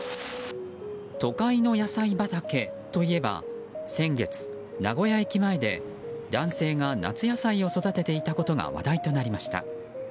都会の野菜畑といえば先月、名古屋駅前で男性が夏野菜を育てていたことが話題となりました。